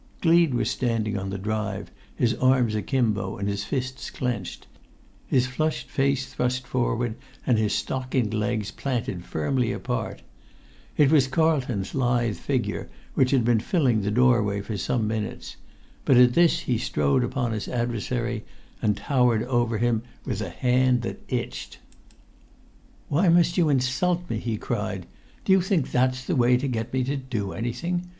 Gleed was standing on the drive, his arms akimbo and his fists clenched, his flushed face thrust forward and his stockinged legs planted firmly apart. It was[Pg 96] Carlton's lithe figure which had been filling the doorway for some minutes; but at this he strode upon his adversary, and towered over him with a hand that itched. "Why must you insult me?" he cried. "Do you think that's the way to get me to do anything?